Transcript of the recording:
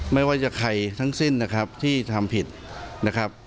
ไม่ว่าจะใครทั้งสิ้นนะครับที่ทำผิดนะครับ